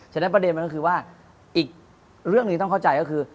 ฉะนั้นประเด็นมันก็คือว่าอีกเรื่องหนึ่งต้องเข้าใจก็คือ